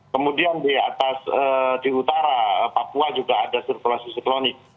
kemudian di atas di utara papua juga ada sirkulasi siklonik